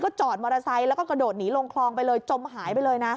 จอดมอเตอร์ไซค์แล้วก็กระโดดหนีลงคลองไปเลยจมหายไปเลยนะ